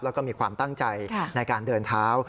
แล้วก็มีความตั้งใจในการเดินเท้า